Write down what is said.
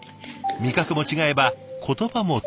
味覚も違えば言葉も通じない。